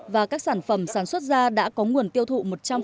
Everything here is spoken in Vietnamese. và các sản phẩm sản xuất ra đã có nguồn tiêu thụ một trăm linh